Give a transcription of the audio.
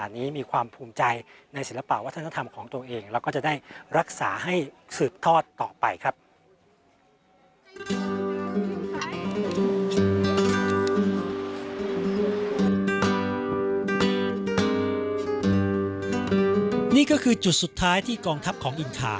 นี่ก็คือจุดสุดท้ายที่กองทัพของอินทา